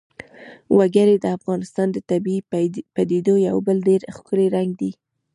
وګړي د افغانستان د طبیعي پدیدو یو بل ډېر ښکلی رنګ دی.